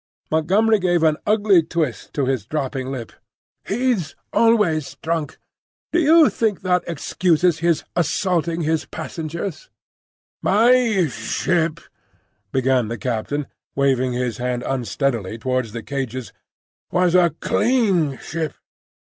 Montgomery gave an ugly twist to his dropping lip. "He's always drunk. Do you think that excuses his assaulting his passengers?" "My ship," began the captain, waving his hand unsteadily towards the cages, "was a clean ship.